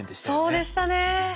そうでしたね。